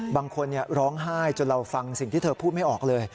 บางคนร้องไห้จนเราฟังสิ่งที่เธอพูดไม่ออกเลย